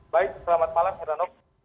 baik selamat malam heran of